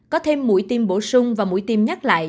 có thêm mũi tiêm bổ sung và mũi tiêm nhắc lại